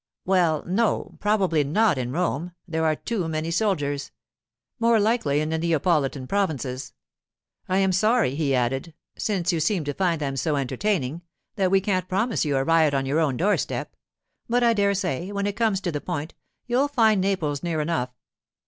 'Well, no; probably not in Rome—there are too many soldiers. More likely in the Neapolitan provinces. I am sorry,' he added, 'since you seem to find them so entertaining, that we can't promise you a riot on your own door step; but I dare say, when it comes to the point, you'll find Naples near enough.